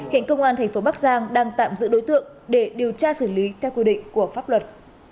hãy công an tp bắc giang đang tạm giữ đối tượng để điều tra xử lý theo quy định của pháp luật